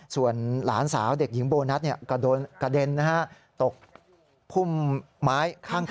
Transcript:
ส่วนหลานสาวเด็กหญิงโบนัสกระเด็นตกพุ่มไม้ข้างทาง